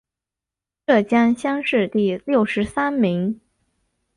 浙江乡试第六十三名。